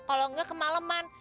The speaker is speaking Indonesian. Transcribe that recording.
kalau nggak kemaleman